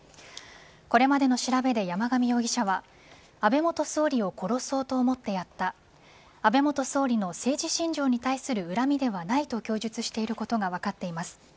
これまでの調べで山上容疑者は安倍元総理を殺そうと思ってやった安倍元総理の政治信条に対する恨みではないと供述していることが分かっています。